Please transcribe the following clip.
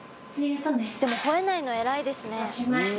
でも吠えないの偉いですね。